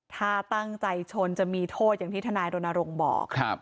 ถ้าตั้งใจชนจะมีโทษอย่างที่ธโดนารงบอก